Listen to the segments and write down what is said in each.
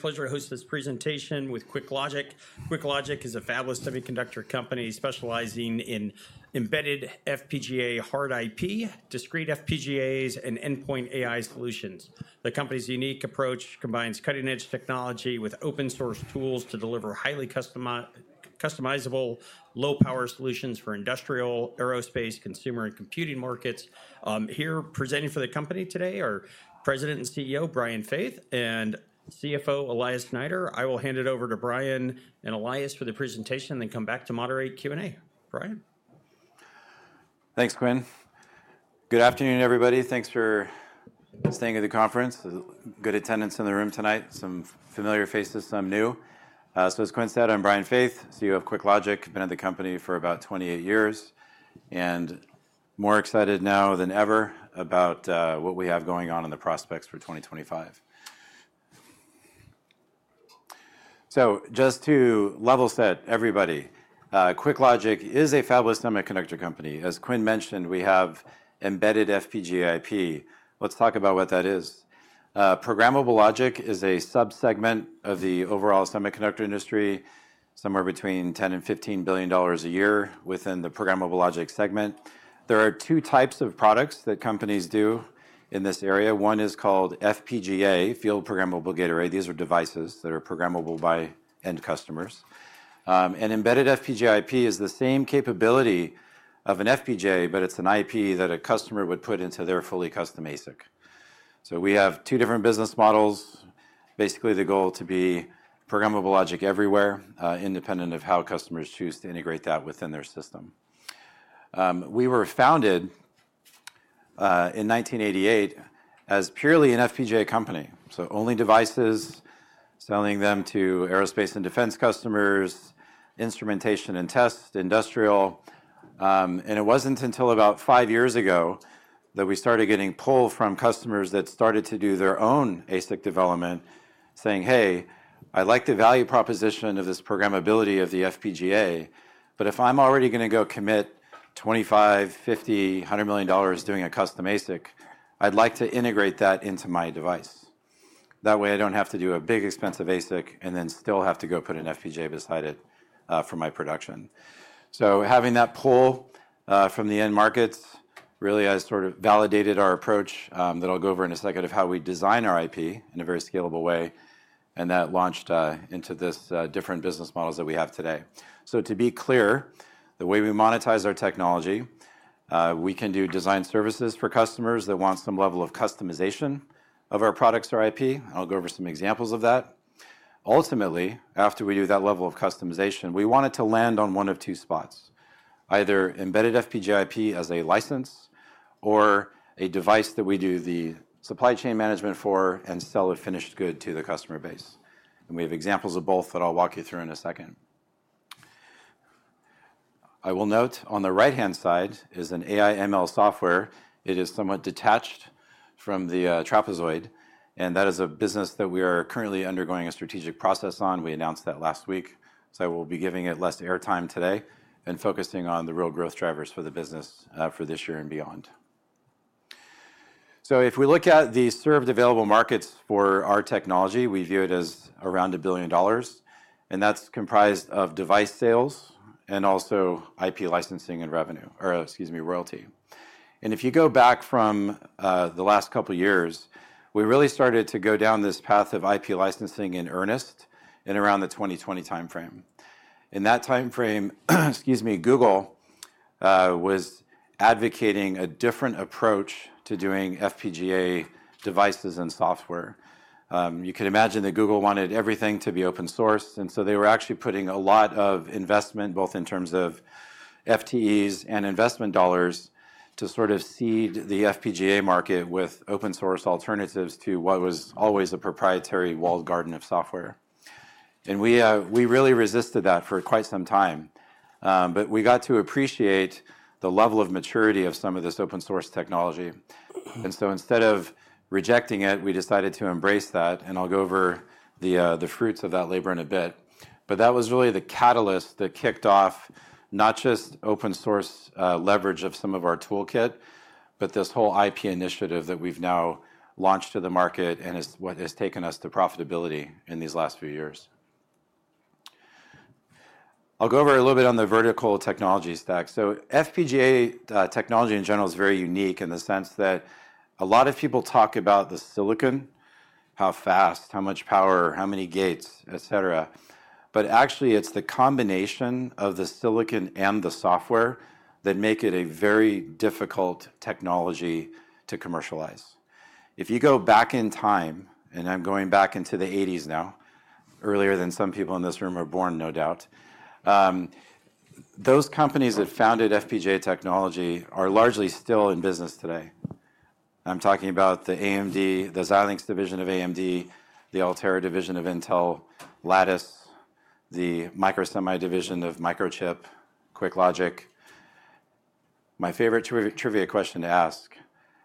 Pleasure to host this presentation with QuickLogic. QuickLogic is a fabless semiconductor company specializing in embedded FPGA, hard IP, discrete FPGAs, and endpoint AI solutions. The company's unique approach combines cutting-edge technology with open-source tools to deliver highly customizable, low-power solutions for industrial, aerospace, consumer, and computing markets. Here presenting for the company today are President and CEO Brian Faith and CFO Elias Nader i will hand it over to Brian and Elias for the presentation and then come back to moderate Q&A. Brian? Thanks, Quinn. Good afternoon, everybody thanks, for staying at the conference. Good attendance in the room tonight. Some familiar faces, some new. So, as Quinn said, I'm Brian Faith, CEO of QuickLogic. I've been at the company for about 28 years, and more excited now than ever about what we have going on in the prospects for 2025. So, just to level set, everybody, QuickLogic is a fabless semiconductor company as Quinn mentioned, we have embedded FPGA IP. Let's talk about what that is. Programmable logic is a subsegment of the overall semiconductor industry, somewhere between $10 and $15 billion a year within the programmable logic segment. There are two types of products that companies do in this area one is called FPGA, field programmable Gate Array these are devices that are programmable by end customers. Embedded FPGA IP is the same capability of an FPGA, but it's an IP that a customer would put into their fully custom ASIC. We have two different business models. Basically, the goal is to be programmable logic everywhere, independent of how customers choose to integrate that within their system. We were founded in 1988 as purely an FPGA company, only devices, selling them to aerospace and defense customers, instrumentation and test, industrial. It wasn't until about five years ago that we started getting pull from customers that started to do their own ASIC development, saying, "Hey, I like the value proposition of this programmability of the FPGA, but if I'm already going to go commit $25, $50, $100 million doing a custom ASIC, I'd like to integrate that into my device. That way, I don't have to do a big expensive ASIC and then still have to go put an FPGA beside it for my production." So, having that pull from the end markets really has sort of validated our approach that I'll go over in a second of how we design our IP in a very scalable way, and that launched into these different business models that we have today. So, to be clear, the way we monetize our technology, we can do design services for customers that want some level of customization of our products or IP and I'll go over some examples of that. Ultimately, after we do that level of customization, we want it to land on one of two spots: either embedded FPGA IP as a license or a device that we do the supply chain management for and sell a finished good to the customer base, and we have examples of both that I'll walk you through in a second. I will note, on the right-hand side is an AI/ML software. It is somewhat detached from the trapezoid, and that is a business that we are currently undergoing a strategic process on we announced that last week, so we'll be giving it less airtime today and focusing on the real growth drivers for the business for this year and beyond. If we look at the served available markets for our technology, we view it as around $1 billion, and that's comprised of device sales and also IP licensing and revenue, or excuse me, royalty. If you go back from the last couple of years, we really started to go down this path of IP licensing in earnest in around the 2020 timeframe. In that timeframe, excuse me, Google was advocating a different approach to doing FPGA devices and software. You could imagine that Google wanted everything to be open source, and so they were actually putting a lot of investment, both in terms of FTEs and investment dollars, to sort of seed the FPGA market with open source alternatives to what was always a proprietary walled garden of software. And we really resisted that for quite some time, but we got to appreciate the level of maturity of some of this open source technology. And so, instead of rejecting it, we decided to embrace that, and I'll go over the fruits of that labor in a bit. But that was really the catalyst that kicked off not just open source leverage of some of our toolkit, but this whole IP initiative that we've now launched to the market and is what has taken us to profitability in these last few years. I'll go over a little bit on the vertical technology stack FPGA technology in general is very unique in the sense that a lot of people talk about the silicon, how fast, how much power, how many gates, et cetera, but actually, it's the combination of the silicon and the software that make it a very difficult technology to commercialize. If you go back in time, and I'm going back into the 1980s now, earlier than some people in this room are born, no doubt, those companies that founded FPGA technology are largely still in business today. I'm talking about the AMD, the Xilinx division of AMD, the Altera division of Intel, Lattice, the Microsemi division of Microchip, QuickLogic. My favorite trivia question to ask,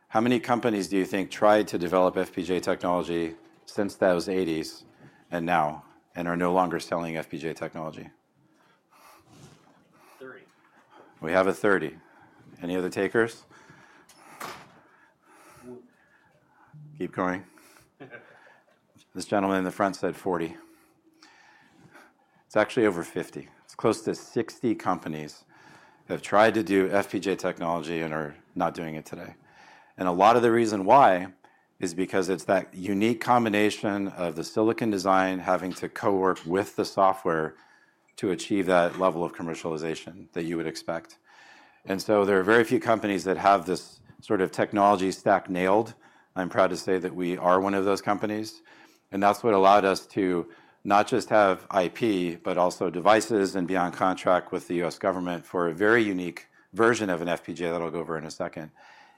How many companies do you think tried to develop FPGA technology since those 1980s and now and are no longer selling FPGA technology? We have a 30 any other takers? Keep going. This gentleman in the front said 40. It's actually over 50 it's close to 60 companies that have tried to do FPGA technology and are not doing it today, and a lot of the reason why is because it's that unique combination of the silicon design having to co-work with the software to achieve that level of commercialization that you would expect. And so, there are very few companies that have this sort of technology stack nailed. I'm proud to say that we are one of those companies, and that's what allowed us to not just have IP, but also devices and be on contract with the U.S. government for a very unique version of an FPGA that I'll go over in a second.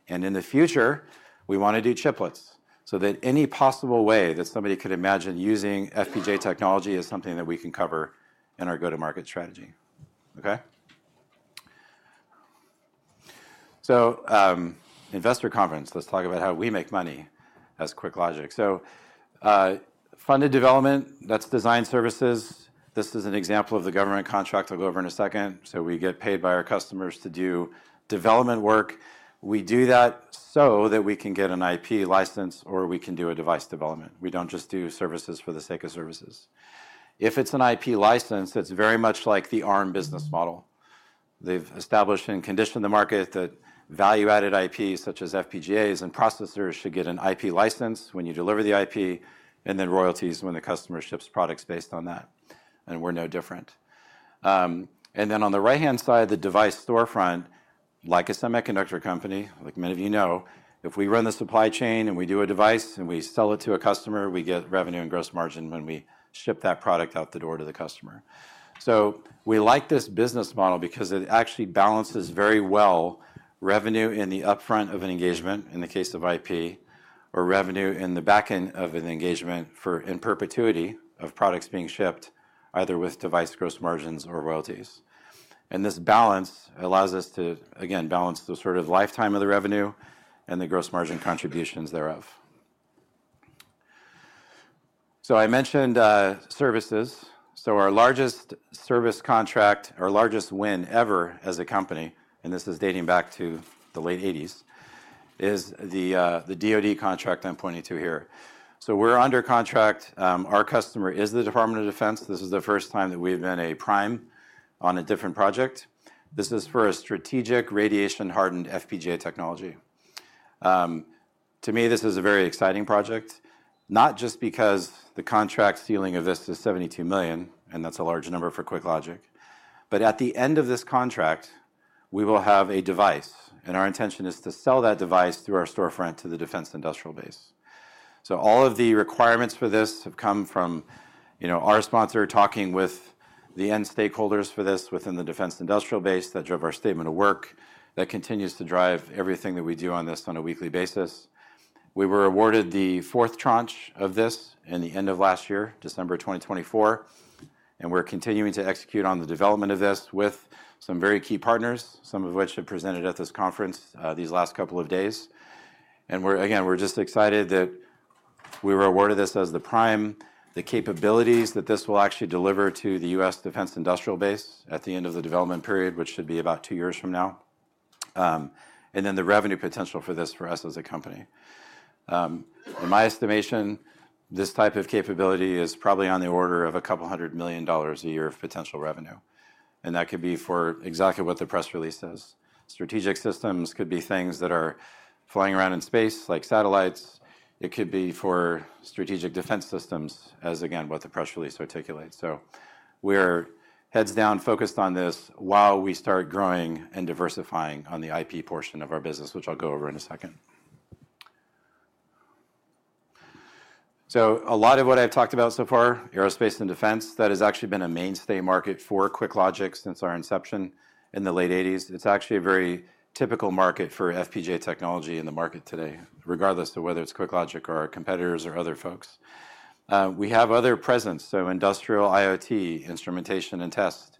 In the future, we want to do chiplets so that any possible way that somebody could imagine using FPGA technology is something that we can cover in our go-to-market strategy okay. Investor conference, let's talk about how we make money as QuickLogic. Funded development, that's design services. This is an example of the government contract I'll go over in a second. We get paid by our customers to do development work. We do that so that we can get an IP license or we can do a device development we don't just do services for the sake of services. If it's an IP license, it's very much like the ARM business model. They've established and conditioned the market that value-added IPs, such as FPGAs and processors, should get an IP license when you deliver the IP, and then royalties when the customer ships products based on that, and we're no different. And then, on the right-hand side, the device storefront, like a semiconductor company, like many of you know, if we run the supply chain and we do a device and we sell it to a customer, we get revenue and gross margin when we ship that product out the door to the customer. So, we like this business model because it actually balances very well revenue in the upfront of an engagement, in the case of IP, or revenue in the back end of an engagement for in perpetuity of products being shipped, either with device gross margins or royalties. This balance allows us to, again, balance the sort of lifetime of the revenue and the gross margin contributions thereof. I mentioned services. Our largest service contract, our largest win ever as a company, and this is dating back to the late 1980s, is the DoD contract I'm pointing to here. We're under contract. Our customer is the Department of Defense this is the first time that we've been a prime on a different project. This is for a strategic radiation-hardened FPGA technology. To me, this is a very exciting project, not just because the contract ceiling of this is $72 million, and that's a large number for QuickLogic, but at the end of this contract, we will have a device, and our intention is to sell that device through our storefront to the defense industrial base. So, all of the requirements for this have come from our sponsor talking with the end stakeholders for this within the defense industrial base that drove our statement of work, that continues to drive everything that we do on this on a weekly basis. We were awarded the fourth tranche of this in the end of last year, December 2024, and we're continuing to execute on the development of this with some very key partners, some of which have presented at this conference these last couple of days. And we're, again, we're just excited that we were awarded this as the prime, the capabilities that this will actually deliver to the U.S. defense industrial base at the end of the development period, which should be about two years from now, and then the revenue potential for this for us as a company. In my estimation, this type of capability is probably on the order of $200 million a year of potential revenue, and that could be for exactly what the press release says. Strategic systems could be things that are flying around in space, like satellites. It could be for strategic defense systems, as again, what the press release articulates so, we're heads down focused on this while we start growing and diversifying on the IP portion of our business, which I'll go over in a second. So, a lot of what I've talked about so far, aerospace and defense, that has actually been a mainstay market for QuickLogic since our inception in the late 1980s it's actually a very typical market for FPGA technology in the market today, regardless of whether it's QuickLogic or our competitors or other folks. We have other presence, so industrial IoT instrumentation and test.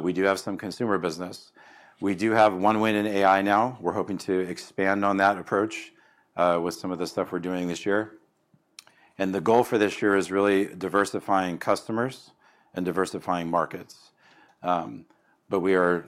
We do have some consumer business. We do have one win in AI now, We're hoping to expand on that approach with some of the stuff we're doing this year. And the goal for this year is really diversifying customers and diversifying markets, but we are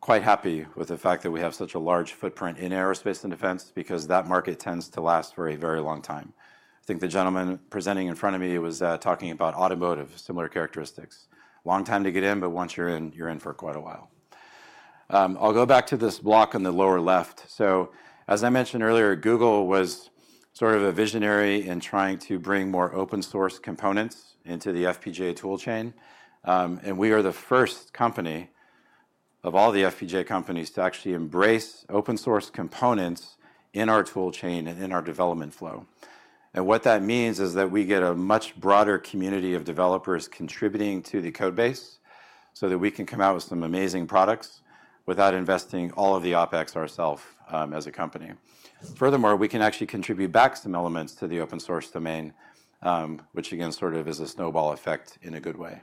quite happy with the fact that we have such a large footprint in aerospace and defense because that market tends to last for a very long time. I think the gentleman presenting in front of me was talking about automotive, similar characteristics. Long time to get in, but once you're in, you're in for quite a while. I'll go back to this block on the lower left. As I mentioned earlier, Google was sort of a visionary in trying to bring more open source components into the FPGA tool chain, and we are the first company of all the FPGA companies to actually embrace open source components in our tool chain and in our development flow. And what that means is that we get a much broader community of developers contributing to the code base so that we can come out with some amazing products without investing all of the OpEx ourself as a company. Furthermore, we can actually contribute back some elements to the open source domain, which again sort of is a snowball effect in a good way.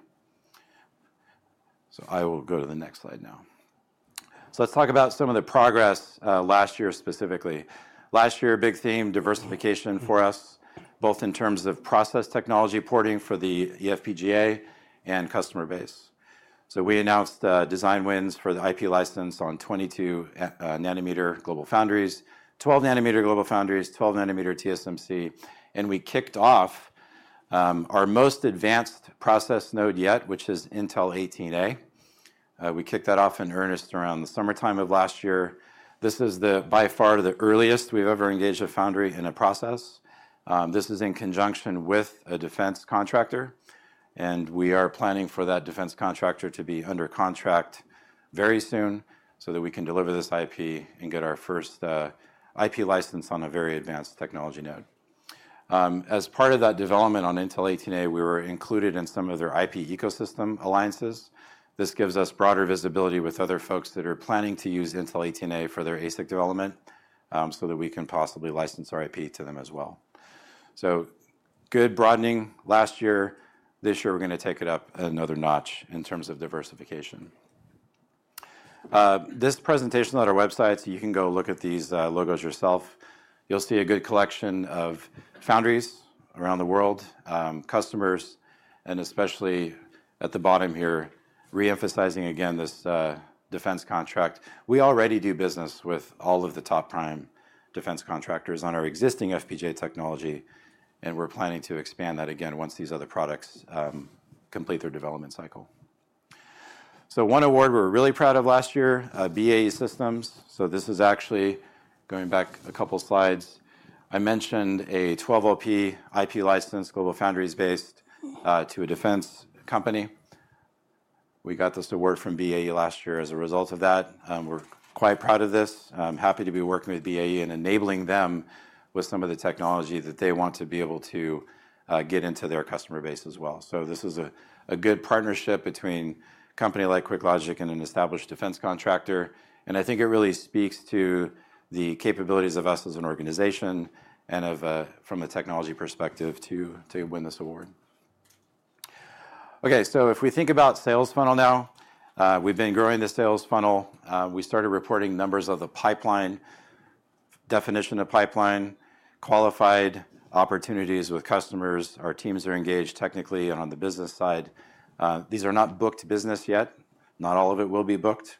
I will go to the next slide now. Let's talk about some of the progress last year specifically. Last year, big theme, diversification for us, both in terms of process technology porting for the FPGA and customer base, so we announced design wins for the IP license on 22-nanometer GlobalFoundries, 12-nanometer GlobalFoundries, 12-nanometer TSMC, and we kicked off our most advanced process node yet, which is Intel 18A. We kicked that off in earnest around the summertime of last year. This is by far the earliest we've ever engaged a foundry in a process. This is in conjunction with a defense contractor, and we are planning for that defense contractor to be under contract very soon so that we can deliver this IP and get our first IP license on a very advanced technology node. As part of that development on Intel 18A, we were included in some of their IP ecosystem alliances. This gives us broader visibility with other folks that are planning to use Intel 18A for their ASIC development so that we can possibly license our IP to them as well. So, good broadening last year. This year, we're going to take it up another notch in terms of diversification. This presentation's on our website, so you can go look at these logos yourself. You'll see a good collection of foundries around the world, customers, and especially at the bottom here, reemphasizing again this defense contract we already do business with all of the top prime defense contractors on our existing FPGA technology, and we're planning to expand that again once these other products complete their development cycle. So, one award we're really proud of last year, BAE Systems. So, this is actually going back a couple of slides. I mentioned a 12LP IP license GlobalFoundries-based to a defense company. We got this award from BAE last year as a result of that. We're quite proud of this. I'm happy to be working with BAE and enabling them. With some of the technology that they want to be able to get into their customer base as well so, this is a good partnership between a company like QuickLogic and an established defense contractor, and I think it really speaks to the capabilities of us as an organization and from a technology perspective to win this award. Okay, so if we think about sales funnel now, we've been growing the sales funnel. We started reporting numbers of the pipeline, definition of pipeline, qualified opportunities with customers our teams are engaged technically and on the business side. These are not booked business yet. Not all of it will be booked,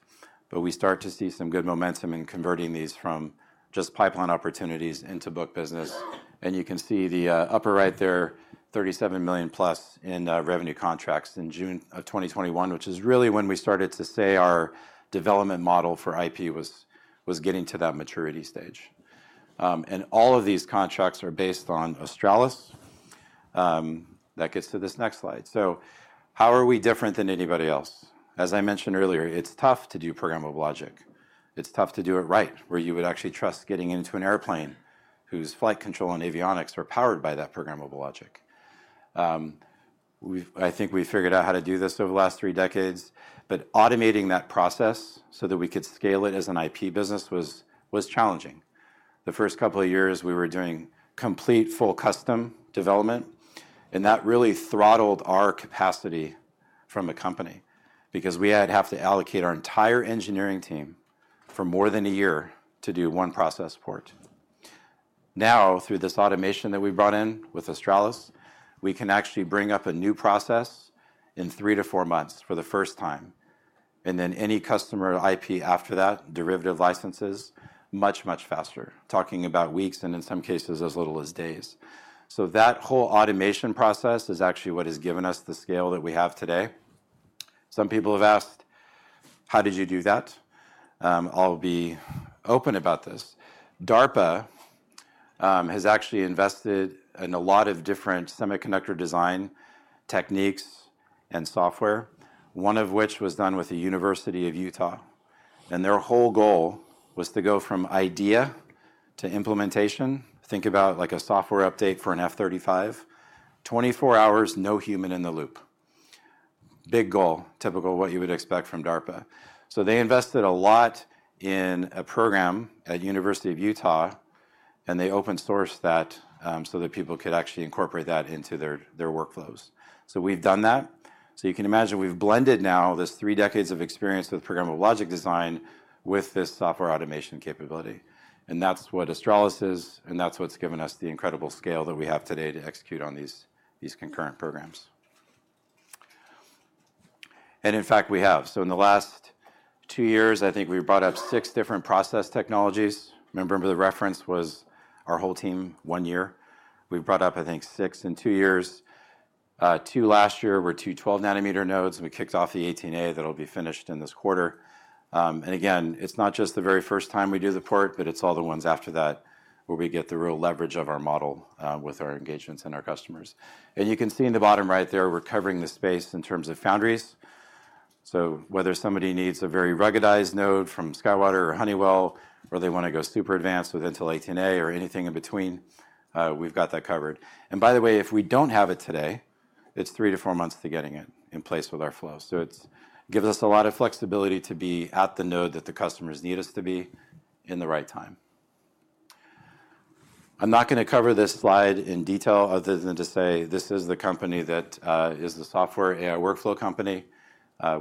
but we start to see some good momentum in converting these from just pipeline opportunities into booked business, and you can see the upper right there, $37 million plus in revenue contracts in June of 2021, which is really when we started to say our development model for IP was getting to that maturity stage, and all of these contracts are based on Australis. That gets to this next slide, so how are we different than anybody else? As I mentioned earlier, it's tough to do programmable logic. It's tough to do it right, where you would actually trust getting into an airplane whose flight control and avionics are powered by that programmable logic. I think we figured out how to do this over the last three decades, but automating that process so that we could scale it as an IP business was challenging. The first couple of years, we were doing complete full custom development, and that really throttled our capacity from a company because we had to allocate our entire engineering team for more than a year to do one process port. Now, through this automation that we brought in with Australis, we can actually bring up a new process in three to four months for the first time, and then any customer IP after that, derivative licenses, much, much faster, talking about weeks and in some cases as little as days. So, that whole automation process is actually what has given us the scale that we have today. Some people have asked, "How did you do that?" I'll be open about this. DARPA has actually invested in a lot of different semiconductor design techniques and software, one of which was done with the University of Utah, and their whole goal was to go from idea to implementation. Think about like a software update for an F-35, 24 hours, no human in the loop. Big goal, typical of what you would expect from DARPA. So, they invested a lot in a program at the University of Utah, and they open-sourced that so that people could actually incorporate that into their workflows. So, we've done that. So, you can imagine we've blended now this three decades of experience with programmable logic design with this software automation capability, and that's what Australis is, and that's what's given us the incredible scale that we have today to execute on these concurrent programs. And in fact, we have so, in the last two years, I think we brought up six different process technologies. Remember, the reference was our whole team, one year. We've brought up, I think, six in two years. Two last year were two 12-nanometer nodes, and we kicked off the 18A that'll be finished in this quarter. And again, it's not just the very first time we do the port, but it's all the ones after that where we get the real leverage of our model with our engagements and our customers. And you can see in the bottom right there, we're covering the space in terms of foundries. So, whether somebody needs a very ruggedized node from SkyWater or Honeywell, or they want to go super advanced with Intel 18A or anything in between, we've got that covered. And by the way, if we don't have it today, it's three to four months to getting it in place with our flow so, it gives us a lot of flexibility to be at the node that the customers need us to be in the right time. I'm not going to cover this slide in detail other than to say this is the company that is the software AI workflow company.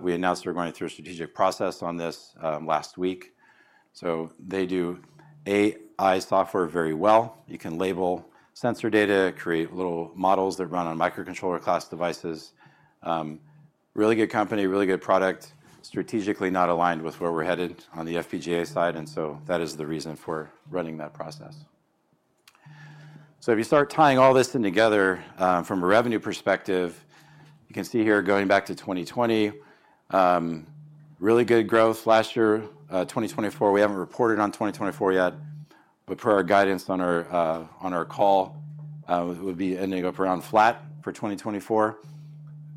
We announced we're going through a strategic process on this last week. So, they do AI software very well. You can label sensor data, create little models that run on microcontroller class devices. Really good company, really good product, strategically not aligned with where we're headed on the FPGA side, and so that is the reason for running that process. If you start tying all this together from a revenue perspective, you can see here going back to 2020, really good growth last year 2024, we haven't reported on 2024 yet, but per our guidance on our call, it would be ending up around flat for 2024.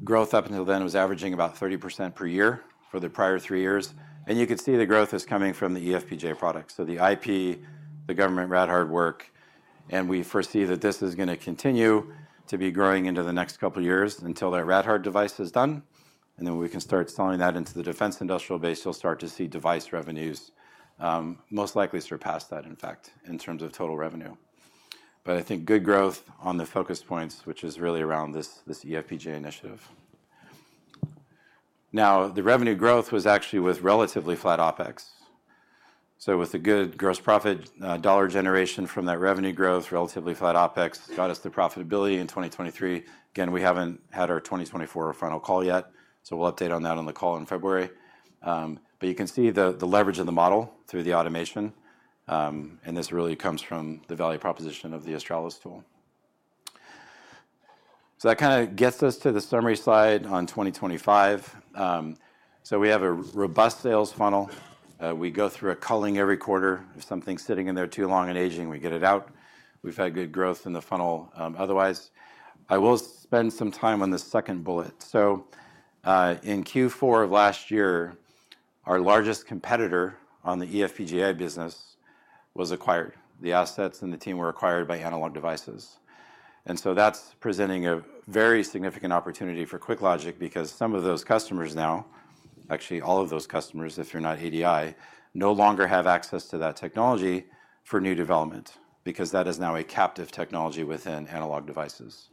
Growth up until then was averaging about 30% per year for the prior three years, and you could see the growth is coming from the eFPGA product, so the IP, the government rad-hard work, and we foresee that this is going to continue to be growing into the next couple of years until that rad-hard device is done, and then we can start selling that into the defense industrial base you'll start to see device revenues most likely surpass that, in fact, in terms of total revenue. But I think good growth on the focus points, which is really around this eFPGA initiative. Now, the revenue growth was actually with relatively flat OpEx. So, with a good gross profit dollar generation from that revenue growth, relatively flat OpEx got us the profitability in 2023 again, we haven't had our 2024 final call yet, so we'll update on that on the call in February. But you can see the leverage of the model through the automation, and this really comes from the value proposition of the Australis tool. So, that kind of gets us to the summary slide on 2025. So, we have a robust sales funnel. We go through a culling every quarter if something's sitting in there too long and aging, we get it out. We've had good growth in the funnel otherwise. I will spend some time on the second bullet so, in Q4 of last year, our largest competitor on the eFPGA business was acquired. The assets and the team were acquired by Analog Devices. And so that's presenting a very significant opportunity for QuickLogic because some of those customers now, actually all of those customers, if you're not ADI, no longer have access to that technology for new development because that is now a captive technology within Analog Devices.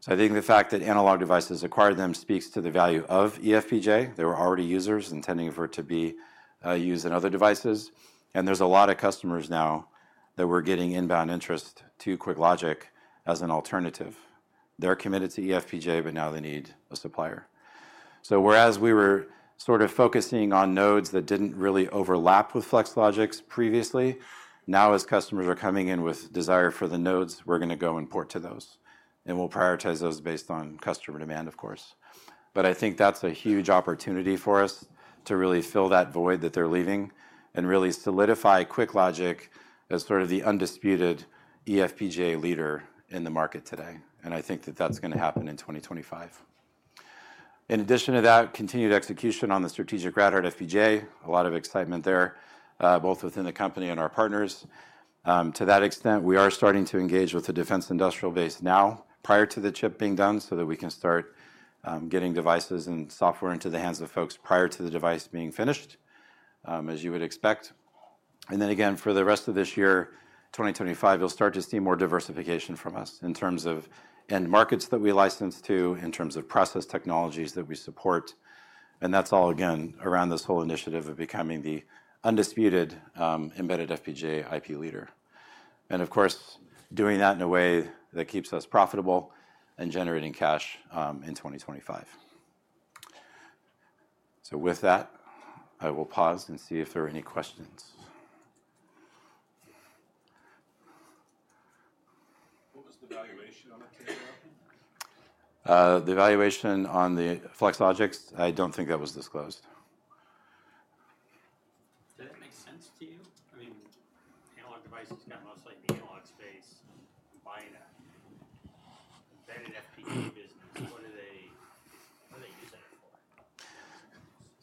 So, I think the fact that Analog Devices acquired them speaks to the value of eFPGA there were already users intending for it to be used in other devices, and there's a lot of customers now that we're getting inbound interest to QuickLogic as an alternative. They're committed to eFPGA, but now they need a supplier. So, whereas we were sort of focusing on nodes that didn't really overlap with Flex Logix previously, now as customers are coming in with desire for the nodes, we're going to go and port to those, and we'll prioritize those based on customer demand, of course. But I think that's a huge opportunity for us to really fill that void that they're leaving and really solidify QuickLogic as sort of the undisputed eFPGA leader in the market today, and I think that that's going to happen in 2025. In addition to that, continued execution on the strategic rad-hard FPGA, a lot of excitement there, both within the company and our partners. To that extent, we are starting to engage with the defense industrial base now prior to the chip being done so that we can start getting devices and software into the hands of folks prior to the device being finished, as you would expect, and then again, for the rest of this year, 2025, you'll start to see more diversification from us in terms of end markets that we license to, in terms of process technologies that we support. And that's all again around this whole initiative of becoming the undisputed embedded FPGA IP leader, and of course, doing that in a way that keeps us profitable and generating cash in 2025, so, with that, I will pause and see if there are any questions. The valuation on the Flex Logix, I don't think that was disclosed. Does that make sense to you? I mean, Analog Devices got mostly the analog space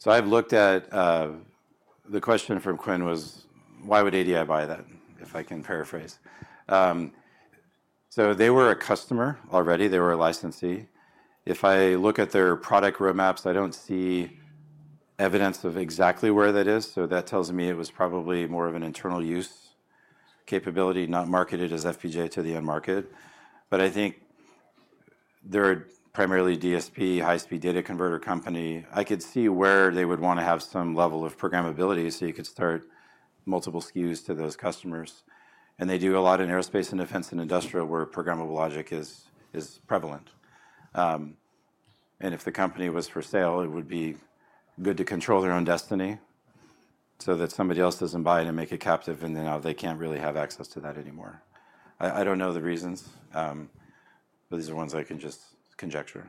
and buying that embedded FPGA business what are they using it for? I've looked at the question from Quinn was, why? would ADI buy that, if I can paraphrase. They were a customer already they were a licensee. If I look at their product roadmaps, I don't see evidence of exactly where that is that tells me it was probably more of an internal use capability, not marketed as FPGA to the end market. I think they're primarily DSP, high-speed data converter company i could see where they would want to have some level of programmability so you could start multiple SKUs to those customers. They do a lot in aerospace and defense and industrial where programmable logic is prevalent. If the company was for sale, it would be good to control their own destiny so that somebody else doesn't buy it and make it captive, and now they can't really have access to that anymore. I don't know the reasons, but these are ones I can just conjecture.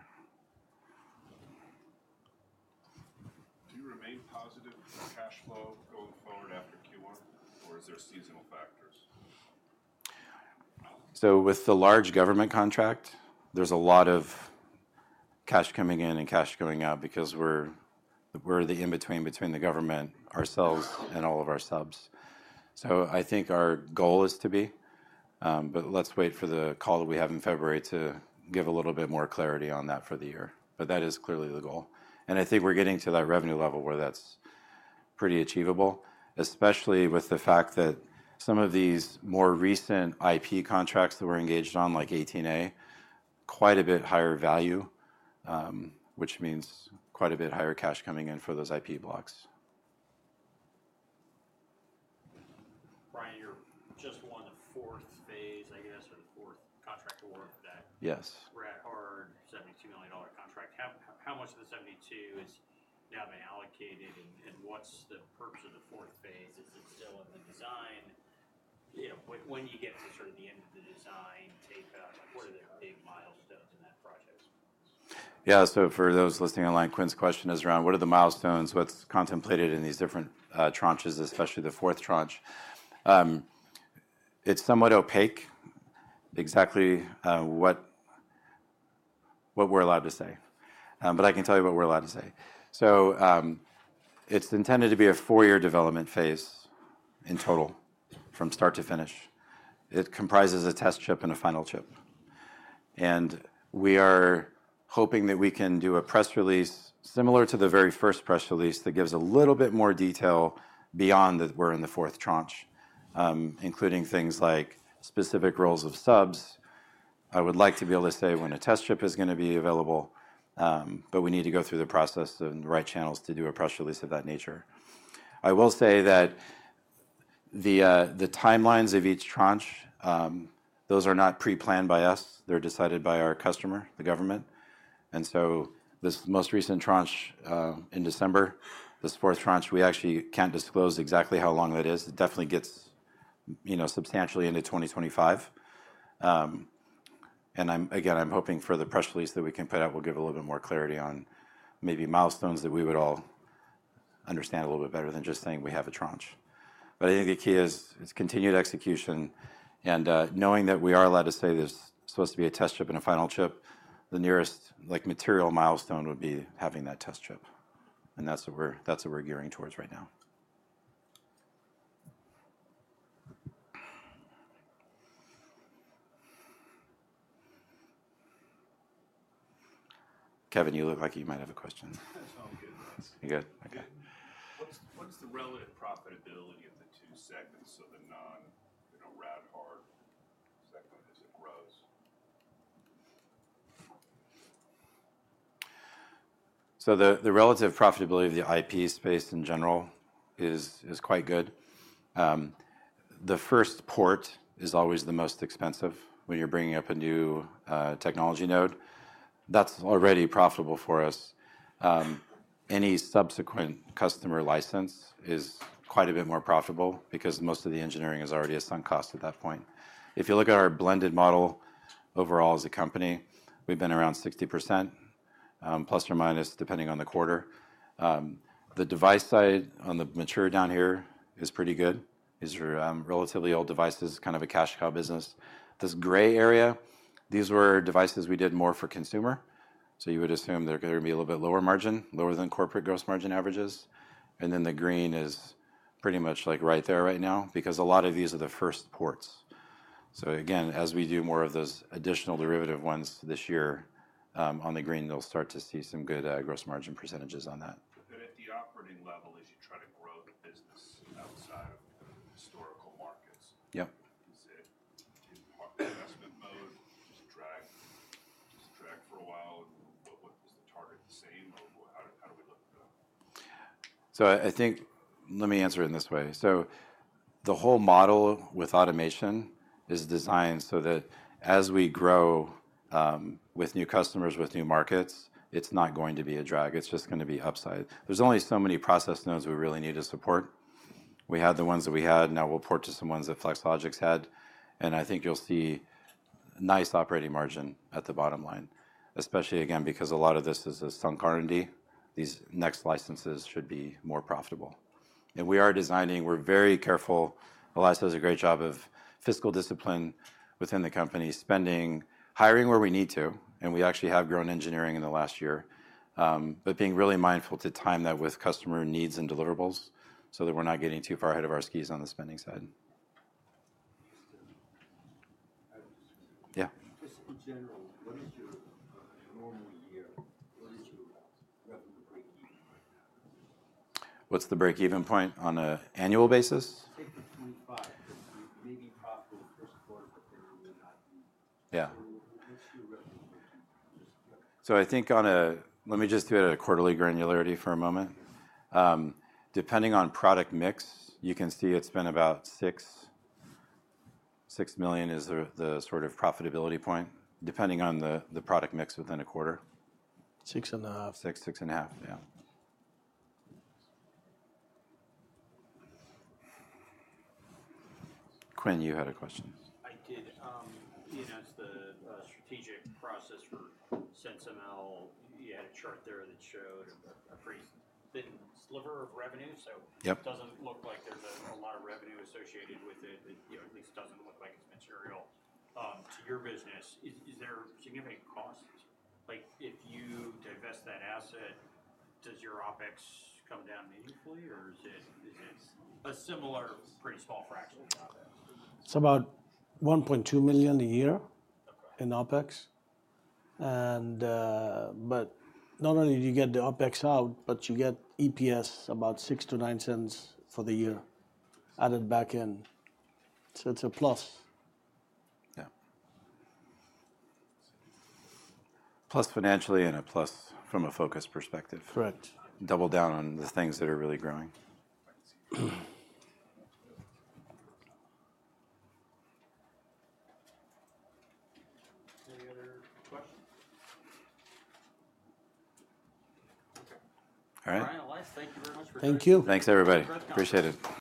Do you remain positive for cash flow going forward after Q1, or is there seasonal factors? With the large government contract, there's a lot of cash coming in and cash going out because we're the in-between between the government, ourselves, and all of our subs. So, I think our goal is to be, but let's wait for the call that we have in February to give a little bit more clarity on that for the year but that is clearly the goal. And I think we're getting to that revenue level where that's pretty achievable, especially with the fact that some of these more recent IP contracts that we're engaged on, like 18A, quite a bit higher value, which means quite a bit higher cash coming in for those IP blocks. Brian, you're just one of the fourth phase, I guess, or the fourth contract award for that. Yes. Rad-Hard $72 million contract. How much of the $72 is now being allocated, and what's the purpose of the fourth phase? Is it still in the design? When you get Yeah, so for those listening online, Quinn's question is around what are the milestones? What's contemplated in these different tranches, especially the fourth tranche? It's somewhat opaque exactly what we're allowed to say, but I can tell you what we're allowed to say, so it's intended to be a four-year development phase in total from start to finish. It comprises a test chip and a final chip. And we are hoping that we can do a press release similar to the very first press release that gives a little bit more detail beyond that we're in the fourth tranche, including things like specific roles of subs. I would like to be able to say when a test chip is going to be available, but we need to go through the process and the right channels to do a press release of that nature. I will say that the timelines of each tranche, those are not pre-planned by us they're decided by our customer, the government, and so this most recent tranche in December, this fourth tranche, we actually can't disclose exactly how long that is. It definitely gets substantially into 2025. And again, I'm hoping for the press release that we can put out will give a little bit more clarity on maybe milestones that we would all understand a little bit better than just saying we have a tranche, but I think the key is continued execution and knowing that we are allowed to say there's supposed to be a test chip and a final chip the nearest material milestone would be having that test chip, and that's what we're gearing towards right now. Kevin, you look like you might have a question. That's all good. You good? Okay. The relative profitability of the IP space in general is quite good. The first port is always the most expensive when you're bringing up a new technology node. That's already profitable for us. Any subsequent customer license is quite a bit more profitable because most of the engineering is already at sunk cost at that point. If you look at our blended model overall as a company, we've been around 60% plus or minus depending on the quarter. The device side on the mature down here is pretty good. These are relatively old devices, kind of a cash cow business. This gray area, these were devices we did more for consumer. So, you would assume they're going to be a little bit lower margin, lower than corporate gross margin averages. The green is pretty much like right there right now because a lot of these are the first ports. Again, as we do more of those additional derivative ones this year on the green, you'll start to see some good gross margin percentages on that. I think let me answer it in this way. The whole model with automation is designed so that as we grow with new customers, with new markets, it's not going to be a drag it's just going to be upside there's only so many process nodes we really need to support. We had the ones that we had, now we'll port to some ones that Flex Logix had, and I think you'll see nice operating margin at the bottom line, especially again because a lot of this is a sunk R&D. These next licenses should be more profitable. We are designing, we're very careful. Elias does a great job of fiscal discipline within the company, spending, hiring where we need to, and we actually have grown engineering in the last year, but being really mindful to time that with customer needs and deliverables so that we're not getting too far ahead of our skis on the spending side. Yeah. What's the break-even point on an annual basis? Yeah. So, I think on a, let me just do it at a quarterly granularity for a moment. Depending on product mix, you can see it's been about $6 million is the sort of profitability point, depending on the product mix within a quarter. Six, six and a half, yeah. Quinn, you had a question. I did. You asked the strategic process for SensiML you had a chart there that showed a pretty thin sliver of revenue so, it doesn't look like there's a lot of revenue associated with it at least doesn't look like it's material to your business is there significant costs? Like if you divest that asset, does your OPEX come down meaningfully, or is it a similar pretty small fraction of the OPEX? It's about $1.2 million a year in OpEx. But not only do you get the OpEx out, but you get EPS about $0.06-$0.09 for the year added back in. So, it's a plus. Yeah. Plus financially and a plus from a focus perspective. Correct. Double down on the things that are really growing. Any other questions? All right. Brian, Faith, thank you very much for coming. Thank you. Thanks, everybody. Appreciate it.